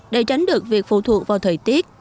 để tránh được việc phụ thuộc vào thời tiết